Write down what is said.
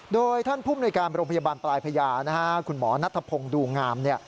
โดยท่านผู้อำนวยการบริภัณฑ์ปลายพญาคุณหมอนัทพงศ์ดูงาม